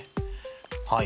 はい。